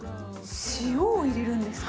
塩を入れるんですか。